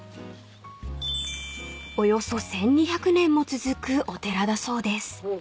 ［およそ１，２００年も続くお寺だそうです］